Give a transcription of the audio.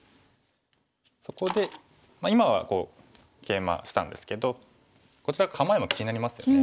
そこで今はケイマしたんですけどこちら構えも気になりますよね。